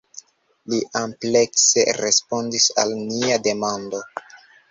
Li amplekse respondis al nia demando.